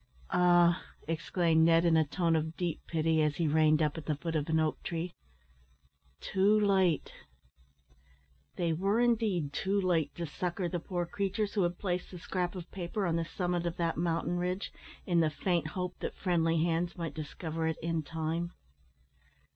"Ah!" exclaimed Ned, in a tone of deep pity, as he reined up at the foot of an oak tree, "too late!" They were indeed too late to succour the poor creatures who had placed the scrap of paper on the summit of that mountain ridge, in the faint hope that friendly hands might discover it in time.